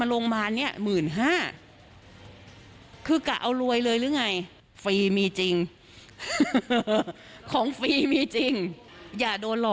ลองตายคนน่ะ